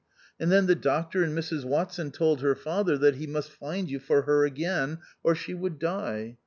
And then the Doctor and Mrs Watson told her father that he must find you for her ao ain, or she would die.